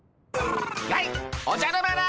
やいおじゃる丸！